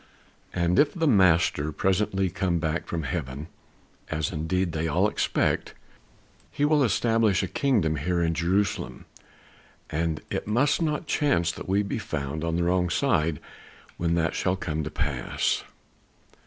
"And if the Master presently come back from heaven as indeed they all expect he will establish a kingdom here in Jerusalem, and it must not chance that we be found on the wrong side when that shall come to pass."